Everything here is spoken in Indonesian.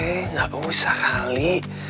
eh gak usah kali